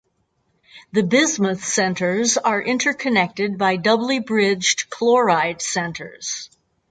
The bismuth centers are interconnected by doubly bridged chloride centers.